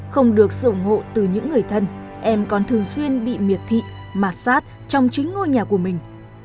không được sự ủng hộ từ những người thân em còn thường xuyên bị miệt thị mạt sát trong chính ngôi nhà của mình